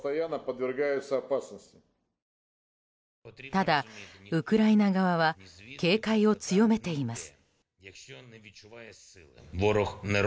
ただ、ウクライナ側は警戒を強めています。